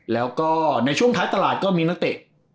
แล้วก็ในช่วงท้ายตลาดก็มีนักเตะ